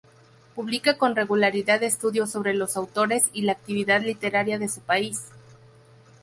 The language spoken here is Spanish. Publica con regularidad estudios sobre los autores y la actividad literaria de su país.